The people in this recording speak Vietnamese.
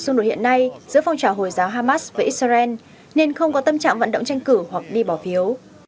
xung đột hiện nay giữa phong trào hồi giáo hamas với israel nên không có tâm trạng vận động tranh cử hoặc đi bỏ phiếu